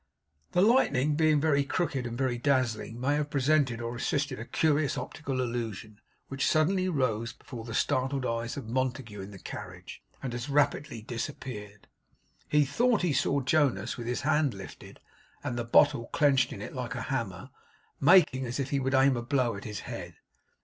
The lightning being very crooked and very dazzling may have presented or assisted a curious optical illusion, which suddenly rose before the startled eyes of Montague in the carriage, and as rapidly disappeared. He thought he saw Jonas with his hand lifted, and the bottle clenched in it like a hammer, making as if he would aim a blow at his head.